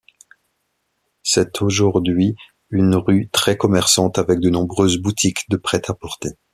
C'est aujourd'hui une rue très commerçante avec de nombreuses boutiques de prêt-à-porter.